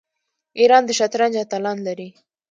ایران د شطرنج اتلان لري.